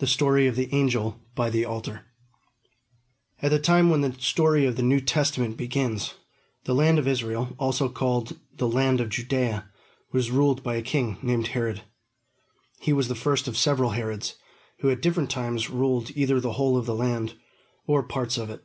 THE STORY OF THE ANGEL BY THE ALTAR At the time when the story of the New Testament begins, the land of Israel, called also the land of Judea, was ruled by a king named Herod. He was the first of several Herods, who at different times ruled either the whole of the land, or parts of it.